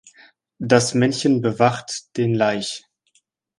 Das Männchen bewacht den Laich.